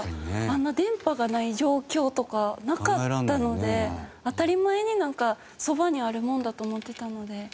あんな電波がない状況とかなかったので当たり前にそばにあるものだと思ってたので。